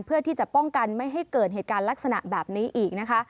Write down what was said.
เพื่อที่จะป้องกันไม่ให้เกิดเหตุการณ์ลักษณะแบบนี้อีกนะคะ